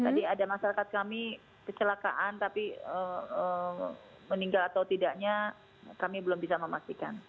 tadi ada masyarakat kami kecelakaan tapi meninggal atau tidaknya kami belum bisa memastikan